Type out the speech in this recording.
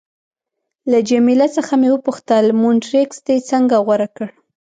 له جميله څخه مې وپوښتل: مونټریکس دې څنګه غوره کړ؟